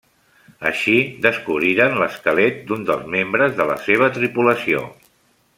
Així descobriren l'esquelet d'un dels membres de la seva tripulació.